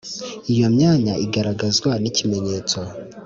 Iyo myanya igaragazwa n'ikimenyetso